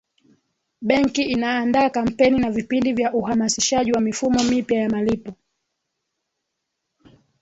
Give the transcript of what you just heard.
benki inaandaa kampeni na vipindi vya uhamasishaji wa mifumo mipya ya malipo